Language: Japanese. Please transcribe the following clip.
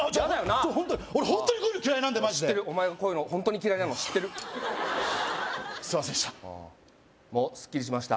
ホントに俺ホントにこういうの嫌いなんでマジで知ってるお前こういうのホントに嫌いなの知ってるすいませんでした